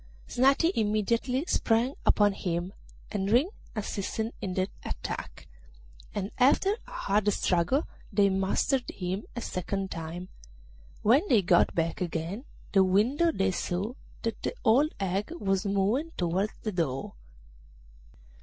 Snati immediately sprang upon him, and Ring assisted in the attack, and after a hard struggle they mastered him a second time. When they got back again to the window they saw that the old hag was moving towards the door.